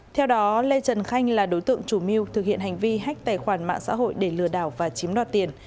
theo đó lê trần khanh là đối tượng chủ mưu thực hiện hành vi hách tài khoản mạng xã hội để lừa đảo và chiếm đoạt tiền